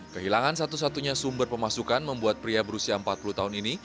kehilangan satu satunya sumber pemasukan membuat pria berusia empat puluh tahun ini